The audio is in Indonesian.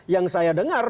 yang saya dengar